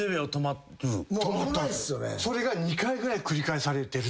それが２回ぐらい繰り返されてると。